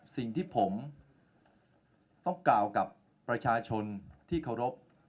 สิ่งที่ผมต้องกล่าวกับประชาชนที่เคารพ